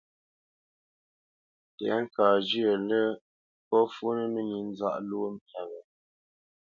Tɛ̌ŋkaʼ zhyə̂ lə́ ŋgɔ́ fǔnə́ mə́nī nzáʼ lwó myâ wě,